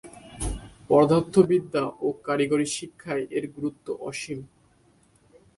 পদার্থবিদ্যা ও কারিগরী শিক্ষায় এর গুরুত্ব অসীম।